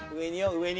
上に。